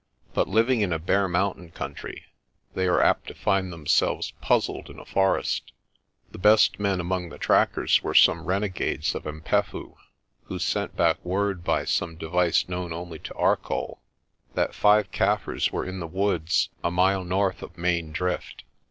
But living in a bare mountain country they are apt to find themselves puzzled in a forest. The best men among the trackers were some renegades of 'Mpefu, who sent back word by some device known only to Arcoll that five Kaffirs were in the woods a mile north of Main Drift.